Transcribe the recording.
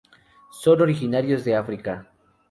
Son originarios de África.